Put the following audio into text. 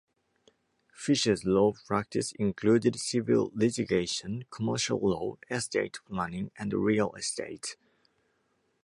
Fisher's law practice included civil litigation, commercial law, estate planning and real estate.